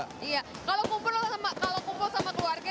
kalau kumpul sama keluarga